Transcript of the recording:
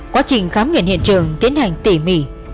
quá trình khám nghiệm hiện trường tiến hành tỉ mỉ